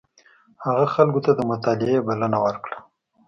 هغه خلکو ته د مطالعې بلنه ورکړه.